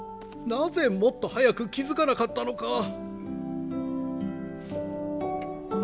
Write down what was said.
なぜもっと早く気付かなかったのか。